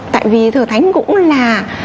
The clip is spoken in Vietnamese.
tại vì thờ thánh cũng là